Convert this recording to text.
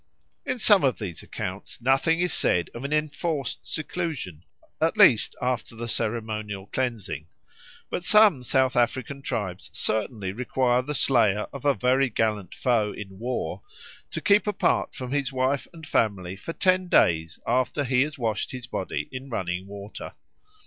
In some of these accounts nothing is said of an enforced seclusion, at least after the ceremonial cleansing, but some South African tribes certainly require the slayer of a very gallant foe in war to keep apart from his wife and family for ten days after he has washed his body in running water.